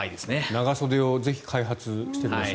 長袖をぜひ開発してください。